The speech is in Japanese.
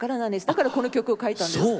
だからこの曲を書いたんです。